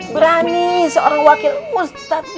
berani seorang wakil ustadz